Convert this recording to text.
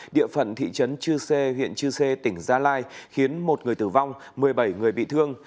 địa phận thị trấn chư sê huyện chư sê tỉnh gia lai khiến một người tử vong một mươi bảy người bị thương